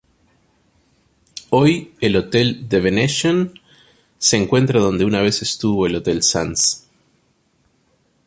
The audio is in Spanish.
Hoy, el hotel The Venetian se encuentra donde una vez estuvo el hotel Sands.